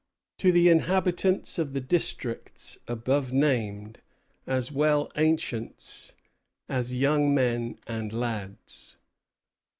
To the inhabitants of the districts above named, as well ancients as young men and lads.